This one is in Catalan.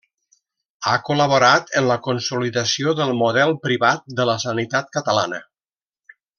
Ha col·laborat en la consolidació del model privat de la sanitat catalana.